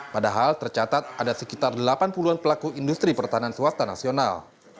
padahal tercatat ada sekitar delapan puluh an pelaku industri pertahanan swasta nasional